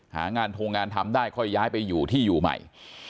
หางานทงงานทำได้ค่อยย้ายไปอยู่ที่อยู่ใหม่